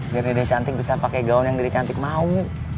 biar ide cantik bisa pakai gaun yang jadi cantik mau